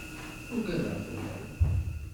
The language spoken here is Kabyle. Ugadeɣ fell-am.